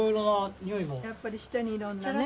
やっぱり下にいろんなね。